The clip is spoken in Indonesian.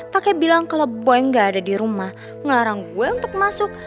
pakai bilang kalau boy gak ada di rumah ngelarang gue untuk masuk